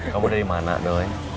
kamu dari mana doi